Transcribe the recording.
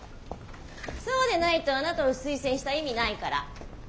そうでないとあなたを推薦した意味ないから。